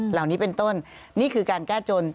เหล่านี้เป็นต้นนี่คือการแก้จน